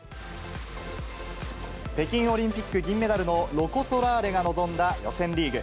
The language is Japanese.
北京オリンピック銀メダルのロコ・ソラーレが臨んだ予選リーグ。